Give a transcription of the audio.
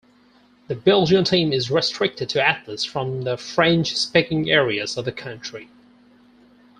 The Belgian team is restricted to athletes from the French-speaking areas of the country.